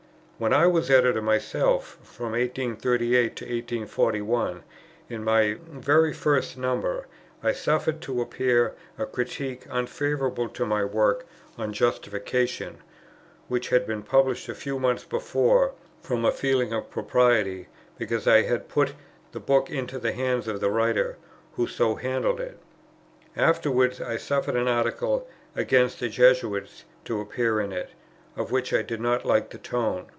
When I was Editor myself, from 1838 to 1841, in my very first number I suffered to appear a critique unfavorable to my work on Justification, which had been published a few months before, from a feeling of propriety, because I had put the book into the hands of the writer who so handled it. Afterwards I suffered an article against the Jesuits to appear in it, of which I did not like the tone.